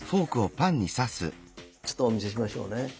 ちょっとお見せしましょうね。